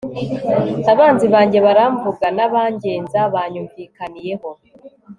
abanzi banjye baramvuga, n'abangenza banyumvikaniyeho